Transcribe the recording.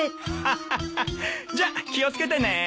ハハハじゃ気を付けてねえ。